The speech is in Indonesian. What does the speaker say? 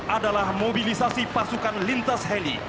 adalah mobilisasi pasukan lintas heli